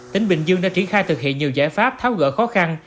tỉnh bình dương đã triển khai thực hiện nhiều giải pháp tháo gỡ khó khăn